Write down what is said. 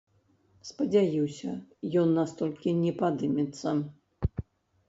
Спадзяюся, ён настолькі не падымецца.